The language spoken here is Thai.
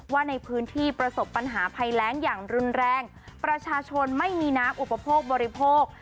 ว่าในพื้นที่ประสบปัญหาภัยแรงอย่างรุนแรงประชาชนไม่มีน้ำอุปโภคบริโภค